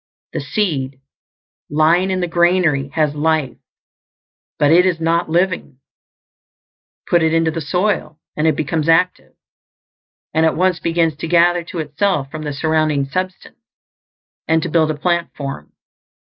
The seed, lying in the granary, has life, but it is not living. Put it into the soil and it becomes active, and at once begins to gather to itself from the surrounding substance, and to build a plant form.